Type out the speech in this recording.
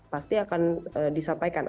pasti akan disampaikan